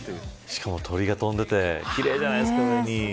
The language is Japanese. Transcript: しかも鳥が飛んでいて奇麗じゃないですか。